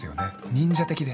忍者的で。